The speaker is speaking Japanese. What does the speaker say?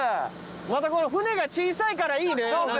またこの船が小さいからいいね。